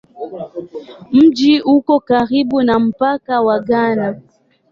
Mji uko karibu na mpaka wa Ghana.